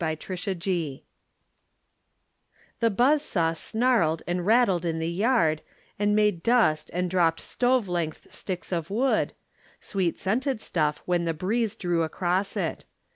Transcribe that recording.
"OUT, OUT " The buzz saw snarled and rattled in the yard And made dust and dropped stove length sticks of wood, Sweet scented stuff when the breeze drew across it.